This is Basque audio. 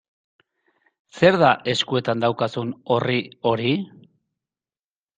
Zer da eskuetan daukazun orri hori?